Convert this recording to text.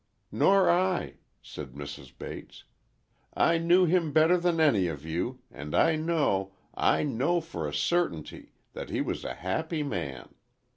"Nor I," said Mrs. Bates. "I knew him better than any of you, and I know—I know for a certainty, that he was a happy man.